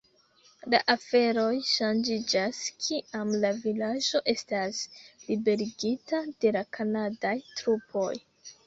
La aferoj ŝanĝiĝas kiam la vilaĝo estas liberigita de la kanadaj trupoj.